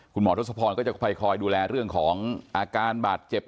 คุณหมอทศพรก็จะคอยดูแลเรื่องของอาการบาดเจ็บ